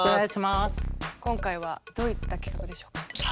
今回はどういった企画でしょうか？